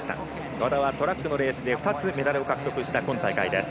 和田はトラックのレースで２つメダルを獲得した今大会です。